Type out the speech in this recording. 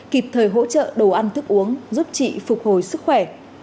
kịp thời hỗ trợ đồ ăn thức uống giúp chị phục hồi sức khỏe